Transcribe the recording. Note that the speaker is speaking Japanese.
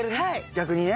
逆にね。